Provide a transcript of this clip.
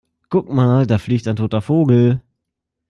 Guck mal, da fliegt ein toter Vogel!